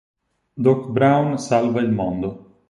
Doc Brown salva il mondo!